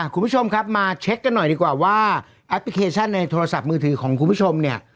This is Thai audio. คุณผู้ชมครับมาเช็คกันหน่อยดีกว่าว่าแอปพลิเคชันในโทรศัพท์มือถือของคุณผู้ชมเนี่ย